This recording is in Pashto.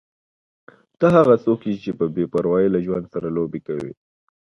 ته هغه څوک یې چې په بې پروايي له ژوند سره لوبې کوې.